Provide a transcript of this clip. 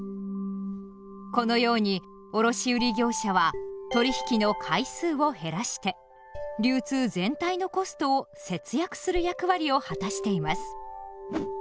このように卸売業者は取引の回数を減らして流通全体のコストを節約する役割を果たしています。